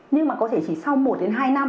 nhưng mà có thể chỉ sau một hai năm